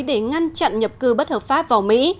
để ngăn chặn nhập cư bất hợp pháp vào mỹ